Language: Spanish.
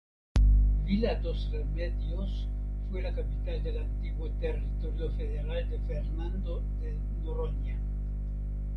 Vila dos Remedios fue la capital del antiguo Territorio Federal de Fernando de Noronha.